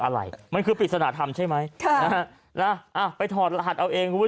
อะไรมันคือปิดสนาธรรมใช่ไหมค่ะแล้วอ่ะไปถอดรหัสเอาเองคุณผู้